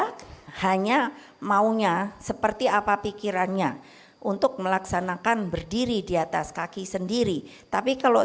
dia hanya maunya seperti apa pikirannya untuk melaksanakan berdiri di atas kaki sendiri tapi kalau